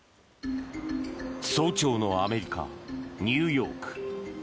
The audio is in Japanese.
早朝のアメリカ・ニューヨーク。